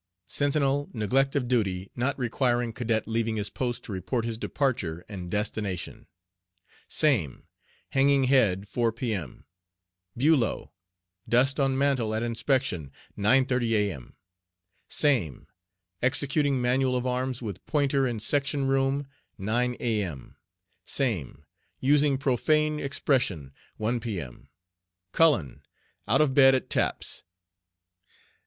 SAME. Sentinel, neglect of duty, not requiring cadet leaving his post to report his departure and destination. SAME. Hanging head, 4 P.M. BULOW. Dust on mantel at inspection, 9.30 A.M. SAME. Executing manual of arms with pointer in section room, 9 A.M. SAME. Using profane expression, 1 P.M. CULLEN. Out of bed at taps.